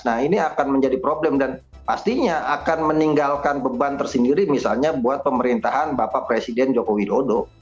nah ini akan menjadi problem dan pastinya akan meninggalkan beban tersendiri misalnya buat pemerintahan bapak presiden joko widodo